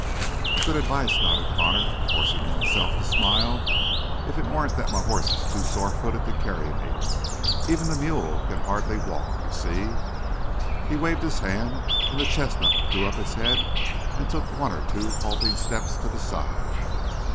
"Good advice," nodded Connor, forcing himself to smile, "if it weren't that my horse is too sore footed to carry me. Even the mule can hardly walk you see." He waved his hand and the chestnut threw up its head and took one or two halting steps to the side.